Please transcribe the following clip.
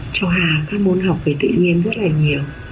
cho hà các môn học về tự nhiên rất là nhiều